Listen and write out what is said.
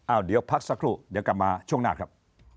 เดี๋ยวพักสักครู่เดี๋ยวกลับมาช่วงหน้าครับ